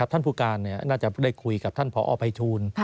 ท่านผู้การน่าจะได้คุยกับท่านพอภัยทูล